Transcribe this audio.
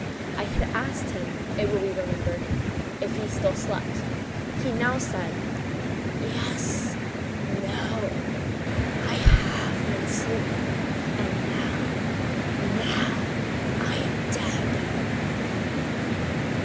I had asked him, it will be remembered, if he still slept. He now said: "Yes;—no;—I have been sleeping—and now—now—I am dead."